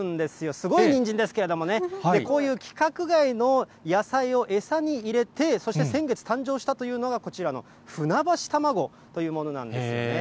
すごいにんじんですけれどもね、こういう規格外の野菜を餌に入れて、そして先月誕生したというのが、こちらの船橋たまごというものなんですよね。